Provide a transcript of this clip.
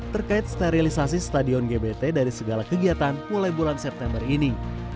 terkait sterilisasi stadion gbt dari segala kegiatan mulai bulan september ini